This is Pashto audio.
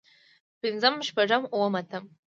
پنځم شپږم اووم اتم